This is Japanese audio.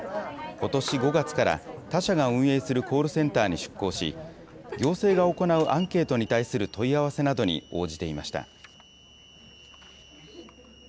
ことし５月から、他社が運営するコールセンターに出向し、行政が行うアンケートに対する問い合わせなどに応じていました。